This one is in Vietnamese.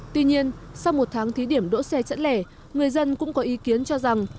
tuy nhiên sau một tháng thí điểm đỗ xe chẩn lẻ người dân cũng có ý kiến cho rằng